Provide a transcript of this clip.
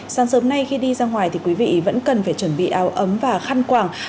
sáng sớm nay khi đi ra ngoài thì quý vị vẫn cần phải chuẩn bị áo ấm và khăn quảng